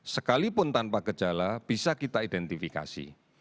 sekalipun tanpa gejala bisa kita identifikasi